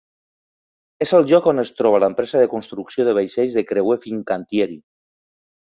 És el lloc on es troba l'empresa de construcció de vaixells de creuer Fincantieri.